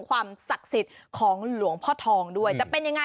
ความศักดิ์สิตของหลวงพ่อทอง